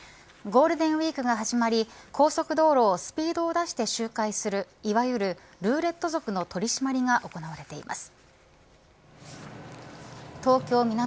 ゴールデンウイークが始まり高速道路をスピードを出して周回するいわゆるルーレット族の取り締まりが行われています。